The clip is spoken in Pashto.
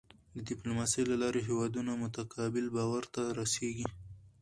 د ډیپلوماسی له لارې هېوادونه متقابل باور ته رسېږي.